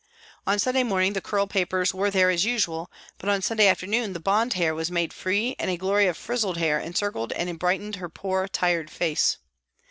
On Sunday morning the curl papers were there as usual, but on Sunday afternoon the bond hair was made free and HOLLOWAY PRISON 89 a glory of frizzled hair encircled and brightened her poor, tired face.